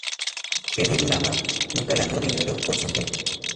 Hedy Lamarr nunca ganó dinero por su invento.